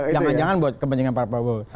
jangan jangan buat kepentingan pak prabowo